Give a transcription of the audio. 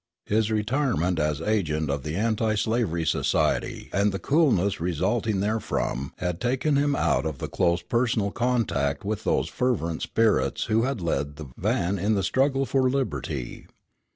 His retirement as agent of the Anti slavery Society and the coolness resulting therefrom had taken him out of the close personal contact with those fervent spirits who had led the van in the struggle for liberty.